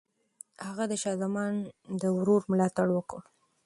هغه د شاه زمان د ورور ملاتړ وکړ.